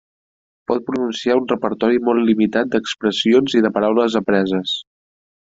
Pot pronunciar un repertori molt limitat d'expressions i de paraules apreses.